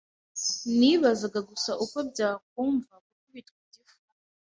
Nibazaga gusa uko byakumva gukubitwa igifu.